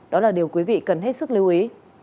đó là điều quý vị cần hết sức lưu ý